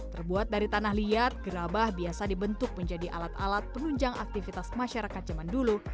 terbuat dari tanah liat gerabah biasa dibentuk menjadi alat alat penunjang aktivitas masyarakat zaman dulu